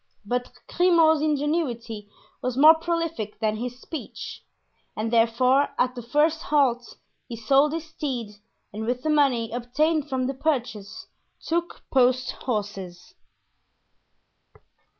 But Grimaud's ingenuity was more prolific than his speech, and therefore at the first halt he sold his steed and with the money obtained from the purchase took post horses.